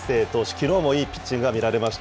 きのうもいいピッチングが見られました。